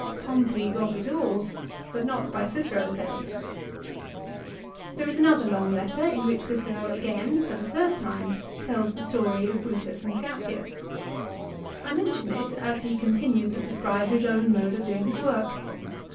Pompey got it all, but not by Cicero's aid. There is another long letter in which Cicero again, for the third time, tells the story of Brutus and Scaptius. 1 I men tion it, as he continues to describe his own mode of doing his work.